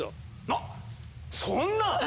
なっそんな！